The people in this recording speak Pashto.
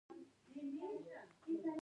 خلک د ورزش لپاره بایسکل چلوي.